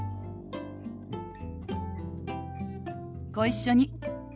ご一緒に。